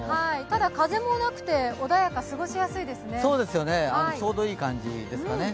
ただ、風もなくて穏やか、過ごしやすいですね。